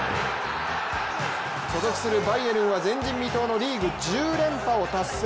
所属するバイエルンは前人未到のリーグ１０連覇を達成。